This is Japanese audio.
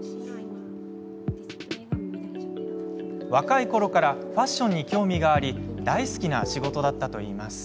若いころからファッションに興味があり大好きな仕事だったといいます。